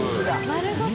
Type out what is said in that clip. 丸ごと？